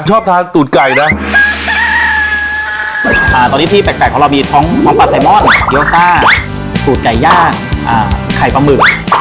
ตอนนี้ที่แปลกของเรามีท้องปลาไซม่อนเกี๊ยวซ่าตูดไก่ย่างไข่ปลาหมึก